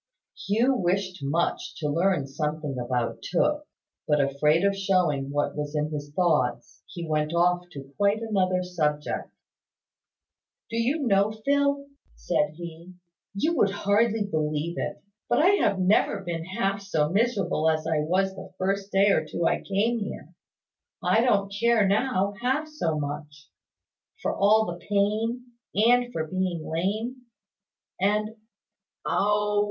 Hugh wished much to learn something about Tooke; but, afraid of showing what was in his thoughts, he went off to quite another subject. "Do you know, Phil," said he, "you would hardly believe it, but I have never been half so miserable as I was the first day or two I came here? I don't care now, half so much, for all the pain, and for being lame, and Oh!